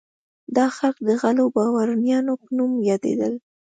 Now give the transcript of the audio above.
دا خلک د غلو بارونیانو په نوم یادېدل.